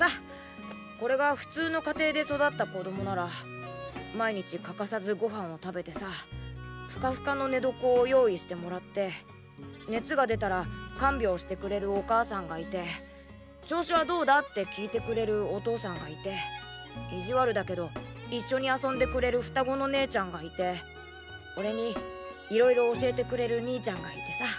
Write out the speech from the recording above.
これが普通の家庭で育った子供なら毎日欠かさずご飯を食べてさふかふかの寝床を用意してもらって熱が出たら看病してくれるお母さんがいて「調子はどうだ？」って聞いてくれるお父さんがいていじわるだけど一緒に遊んでくれる双子の姉ちゃんがいて俺にいろいろ教えてくれる兄ちゃんがいてさ。